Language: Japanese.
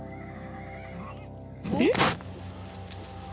えっ！